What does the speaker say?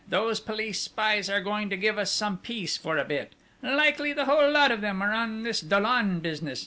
Those police spies are going to give us some peace for a bit!... Likely the whole lot of them are on this Dollon business!